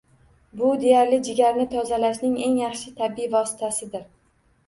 Bu deyarli jigarni tozalashning eng yaxshi tabiiy vositasidir